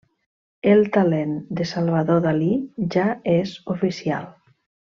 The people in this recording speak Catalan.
El talent de Salvador Dalí ja és oficial.